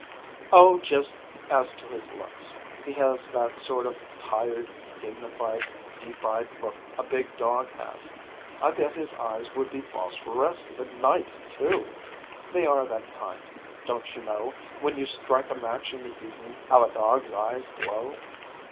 "Oh, just as to his looks. He has that sort of tired, dignified, deep eyed look a big dog has. I bet his eyes would be phosphorescent at night too. They are that kind; don't you know, when you strike a match in the evening, how a dog's eyes glow?